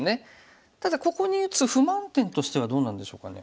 ただここに打つ不満点としてはどうなんでしょうかね。